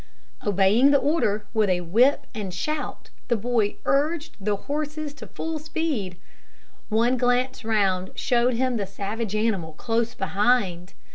Obeying the order, with whip and shout the boy urged the horses to full speed. One glance round showed him the savage animal close behind.